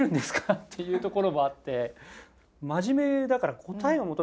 っていうところもあって。